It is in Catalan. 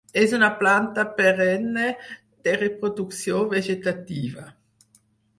És una planta perenne de reproducció vegetativa.